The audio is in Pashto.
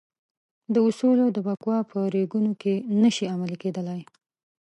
دا اصول د بکواه په ریګونو کې نه شي عملي کېدلای.